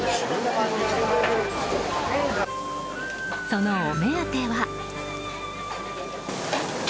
そのお目当ては。